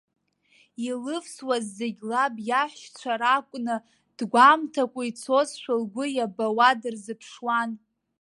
Илывсуаз зегьы лаб иаҳәшьцәа ракәны, дгәамҭакәа ицозшәа лгәы иабауа дырзыԥшуан.